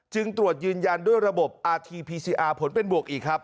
ตรวจยืนยันด้วยระบบอาทีพีซีอาร์ผลเป็นบวกอีกครับ